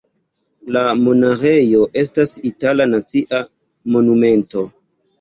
La monaĥejo estas itala nacia monumento.